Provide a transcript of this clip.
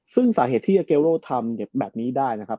ซึ่งสาเหตุที่อาเกโลทำแบบนี้ได้นะครับ